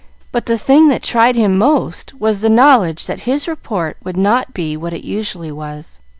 But the thing that tried him most was the knowledge that his report would not be what it usually was.